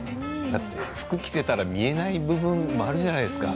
服を着せたら見えない部分もあるじゃないですか